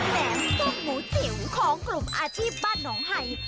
แหมฟกหมูจิ๋วของกลุ่มอาชีพบ้านหนองไห่